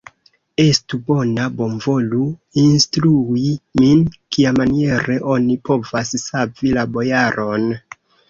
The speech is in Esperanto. Estu bona, bonvolu instrui min, kiamaniere oni povas savi la bojaron.